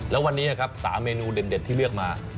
แล้ววันนี้นะครับ๓เมนูเด็ดที่เลือกมา